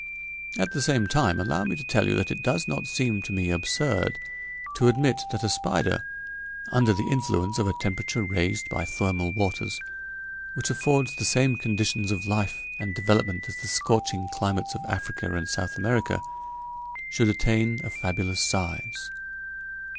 At the same time, allow me to tell you that it does not seem to me absurd to admit that a spider, under the influence of a temperature raised by thermal waters, which affords the same conditions of life and development as the scorching climates of Africa and South America, should attain a fabulous size.